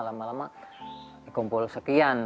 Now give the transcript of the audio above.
lama lama dikumpul sekian